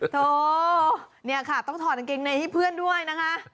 โถเนี่ยค่ะต้องถอดกางเกงในให้เพื่อนด้วยนะคะ